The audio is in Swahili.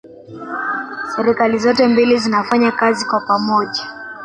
serikali zote mbili zinafanya kazi kwa pamoja